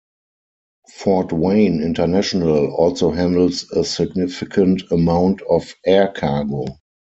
Fort Wayne International also handles a significant amount of air cargo.